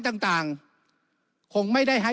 วุฒิสภาจะเขียนไว้ในข้อที่๓๐